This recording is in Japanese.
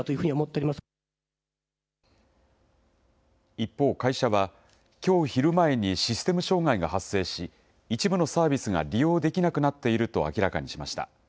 一方、会社は、きょう昼前にシステム障害が発生し、一部のサービスが利用できなくなっていると明らかにしました。